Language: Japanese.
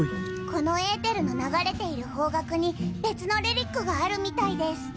このエーテルの流れている方角に別の遺物があるみたいです。